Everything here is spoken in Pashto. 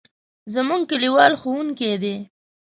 زموږ کلیوال ښوونکی دی.